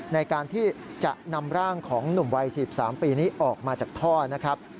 ในการที่จะนำร่างของหนุ่มวัย๑๓ปีนี้ออกมาจากท่อนะครับ